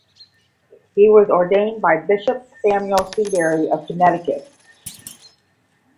He was ordained by Bishop Samuel Seabury of Connecticut.